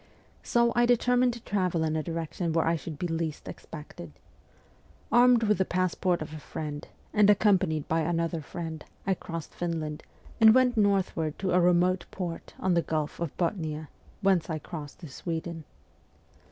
So I determined to travel in a direction where I should be least expected. Armed with the passport of a friend, and accompanied by another friend, I crossed Finland, and went northward to a remote port on the Gulf of Bothnia, whence I crossed to Sweden.